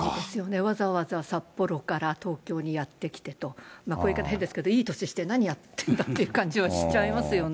わざわざ札幌から東京にやって来てと、こういう言い方変ですけど、いい歳して何やってんだという感じ、しちゃいますよね。